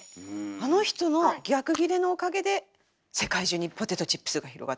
あの人の逆ギレのおかげで世界中にポテトチップスが広がった。